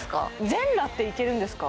全裸っていけるんですか？